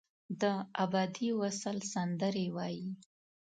دابدي وصل سندرې وایې